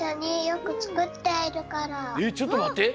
えっちょっとまって。